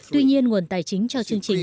tuy nhiên nguồn tài chính cho chương trình